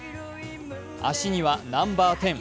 足にはナンバー１０。